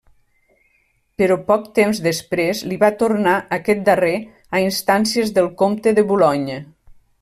Però, poc temps després, li va tornar aquest darrer a instàncies del comte de Boulogne.